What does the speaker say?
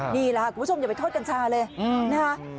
นี่ล่ะคุณผู้ชมอย่าไปทดกัญชาเลย